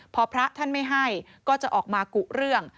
พอพระท่านไม่ให้ก็จะออกมากุเรื่อง